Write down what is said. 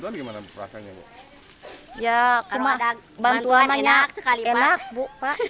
ngambilnya dari mana bu